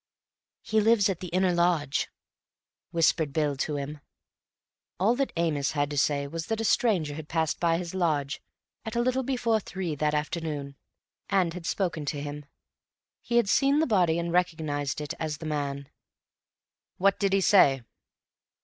"He lives at the inner lodge," whispered Bill to him. All that Amos had to say was that a stranger had passed by his lodge at a little before three that afternoon, and had spoken to him. He had seen the body and recognized it as the man. "What did he say?"